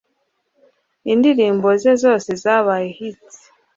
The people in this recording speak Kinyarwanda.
indirimbo ze zose zabaye hits